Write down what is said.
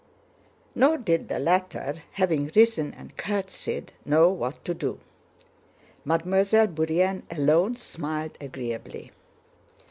Nor did the latter, having risen and curtsied, know what to do. Mademoiselle Bourienne alone smiled agreeably.